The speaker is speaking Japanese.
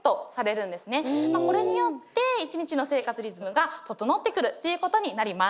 これによって一日の生活リズムが整ってくるっていうことになります。